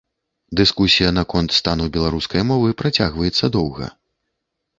Дыскусія наконт стану беларускай мовы працягваецца доўга.